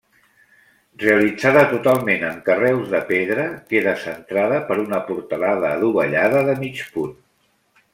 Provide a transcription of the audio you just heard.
Realitzada totalment amb carreus de pedra, queda centrada per una portalada adovellada de mig punt.